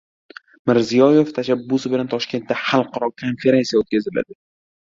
Mirziyoyev tashabbusi bilan Toshkentda xalqaro konferensiya o‘tkaziladi